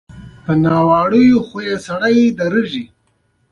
له ځمکې د خاورو بوی لټېده.